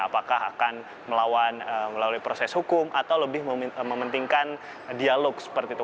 apakah akan melawan melalui proses hukum atau lebih mementingkan dialog seperti itu